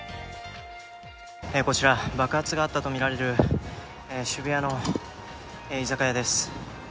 こちら、爆発があったとみられる渋谷の居酒屋です。